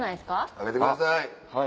開けてください。